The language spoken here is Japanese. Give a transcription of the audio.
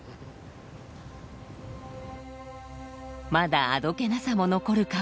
まだあどけなさも残る顔。